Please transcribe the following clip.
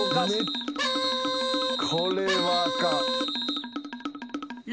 これはあかん。